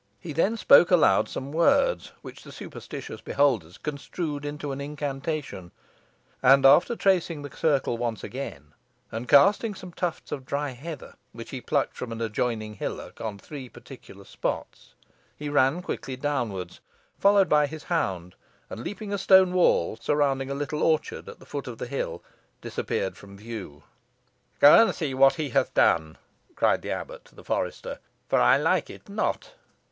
He then spoke aloud some words, which the superstitious beholders construed into an incantation, and after tracing the circle once again, and casting some tufts of dry heather, which he plucked from an adjoining hillock, on three particular spots, he ran quickly downwards, followed by his hound, and leaping a stone wall, surrounding a little orchard at the foot of the hill, disappeared from view. "Go and see what he hath done," cried the abbot to the forester, "for I like it not."